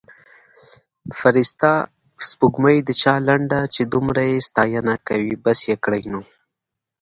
فرسته سپوړمۍ د چا لنډه چې دمره یې ستاینه یې کوي بس کړﺉ نو